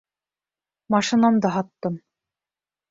Машинамды һаттым.